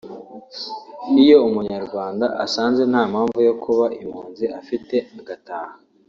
iyo Umunyarwanda asanze nta mpamvu yo kuba impunzi afite agataha